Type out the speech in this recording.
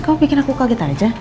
kamu bikin aku kaget aja